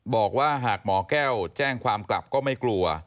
บอกว่าหากหมอแก้วแจ้งความกลับก็ไม่กลัว